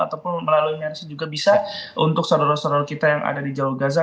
ataupun melalui nyaris juga bisa untuk saudara saudara kita yang ada di jalur gaza